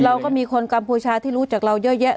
เราก็มีคนกัมพูชาที่รู้จักเราเยอะแยะ